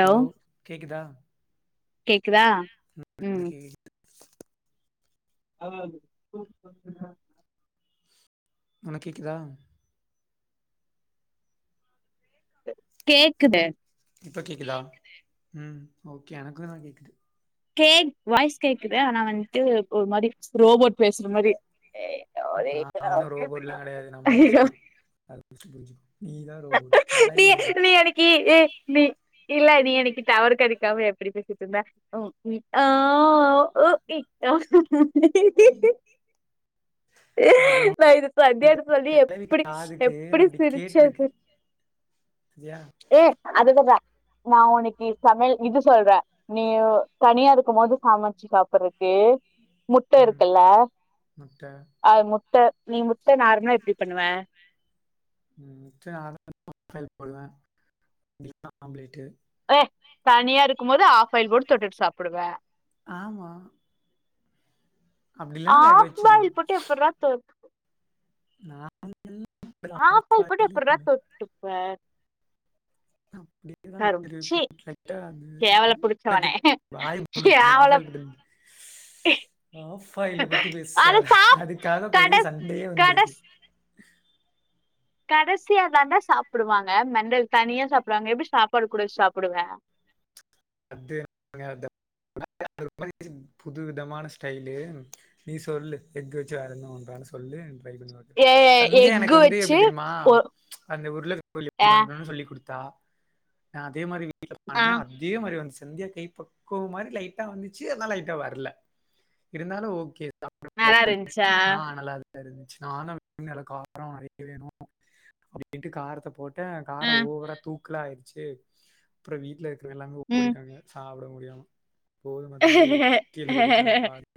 hello கேக்குதா கேக்குதா எனக்கு ஆ ஒனக் கேக்குதா கேக்குது இப்ப கேக்குதா ம் ஓகே எனக்குந்தா கேக்குது கேக் வாய்ஸ் கேக்குத ஆனா வந்ட்டு ஒரு மாரி ரோபோட் பேசுற மாரி நா ஒன்னு ரோபோட்லா கெடயாது, நா ஐயோ மனுசந்தா அத ஃபஸ்ட்டு புரிஞ்சுக்கோ நீ தா ரோபோட்டு கெழவி நீ தா அன்னைக்கு ஏ நீ இல்ல நீ அன்னைக்கி டவர் கெடைக்காம எப்டி பேசிட்ருந்தா ம் ம் அ ஆ உ இ அதுவு இது சத்தியாட்ட சொல்லி கெழவி எப்டி காதுக்கு எப்டி அப்டி சிரிச்சே கேட்ருக்கு தெ சரியா ஏ அதுக தா நா உனைக்கி சமையல் இது சொல்றே நீ தனியா இருக்குபோது சமச்சு சாப்பறக்கே முட்ட ம் இருக்குல்ல முட்ட அது முட் ட நீ முட்ட நார்மலா எப்டி பண்ணுவ ம் [inaudible] போடுவே [inaudible] ஆம்லேட்டு ஏ தனியா இருக்குபோது ஆஃப் பாயில் போட் தொட்டுட் சாப்புடுவே ஆமா அப்டி இல்லன்னா வேக ஆஃப் வச்சிருவே பாய்ல் போட்டு எப்பிட்ரா தொ நாங்கெல்லா ஆஃப் பாயில் போட்டு ஆயிலு எப்பிட்ரா தொட்டுப்பே அப்டி ச்சீ கேவல புடிச்சவனே [inaudible] வாய மூடு [inaudible] ஆஃப் பாயில் [unintelligible] ஏ ஆஃப்பாயில பத்தி பேசாத அதுக்காக கட பெரிய சண்டையே வந்திருக்கு கடசியா தான்டா சாப்பிடுவாங்க மெண்டல் தனியா சாப்பிடுவாங்க எப்டி சாப்பாடு கூட வெச்சு சாப்பிடுவே [inaudible] [inaudible] [inaudible] புது விதமான ஸ்டைலு நீ சொல்லு எக்க வெச்சு வேற என்ன பண்றானு சொல்லு ஏ [unintelligible] சந்தியா எனக்கு எக்கு வந்து வச்சு எப்டி தெரியுமா ஒ அந்த உரு ஆ [inaudible] சொல்லி குடுத் தா அதே மாரி வீட்ல ஆ பண்ணே அதே மாரி வந்துச்சு சந்தியா கை பக்குவ மாரி லைட்டா வந்துச்சு ஆனா லைட்டா வர்ல இருந்தாலு ஓகே [inaudible] நல்லா இருந்துச்சா ஆ நல்லா தா இருந் ச்சு நானு [inaudible] காரோ நெறைய வேணு அப்டின்ட்டு காரத்த போட் டே ஆ காரோ ஓவரா தூக்கலாயிட்ச்சு அப்றோ வீட்ல இருக்கிறவ எல்லாமே ஓ ம் ஓடிடாங்க சாப்ட மு டியாம போதுமா தம்பி கீழ கொட்டிடாங்க [inaudible]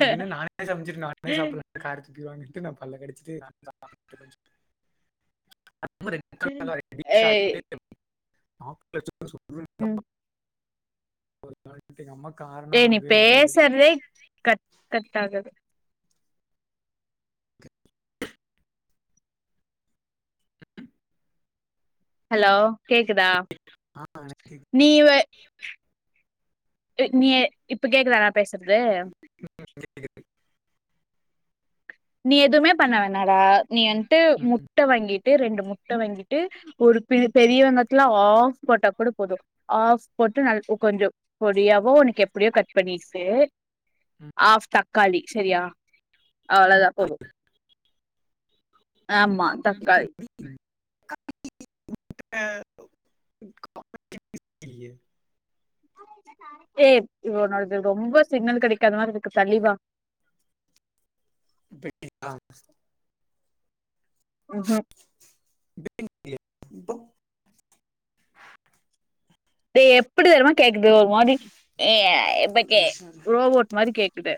இப்டின்னா நானே நானே சமச்சிட்டு நானே சாப்பிட காருது வாங்கட்டு நா பல்ல கடிச்சிட்டு ஏய் ம் [unintelligible] எங்க அம்மாக் ஏ நீ பேசறதே கட் கட் ஆகது ஹலோ கேக்குதா ஆ எனக்கு நீ வ நீ இப்ப கேக்குதா நா பேசுறது கேக்குது நீ எதுமே பண்ண வேணாடா நீ வந்துட்டு ம், முட்ட வாங்கிட் டு ரெண்டு முட்ட வாங்கிட்டு ஒரு பெரியவெங்கத்துல ஆஃப் போட்டா கூட போது ஆஃப் போட்டு நல் கொஞ்ச பொடியாவோ உனக்கு எப்படியோ கட் பண்ணிட்டு ஆஃப் தக்காளி சரியா அவ்ளோதா போது ஆமா தக்காளி [inaudible] [inaudible] ஏ இவள நால்து ரொம்ப சிக்னல் கெடைக்காத மாதிரிருக்கு தள்ளிவா [inaudible] இப்ப கேக்தா உஹூ ப்ப ஏ எப்டி தெரிமா கேக்குது ஒரு மாரி ஏ இப்ப கே ரோபோட் மாரி கேக்குது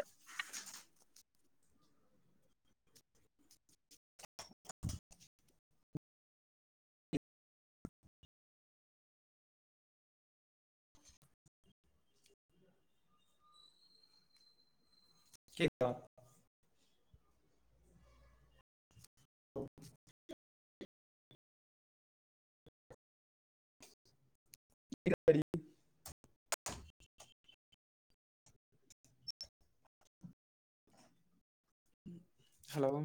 கேக் ஆ ஓ [inaudible] ஹலோ